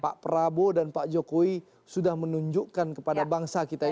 pak prabowo dan pak jokowi sudah menunjukkan kepada bangsa kita ini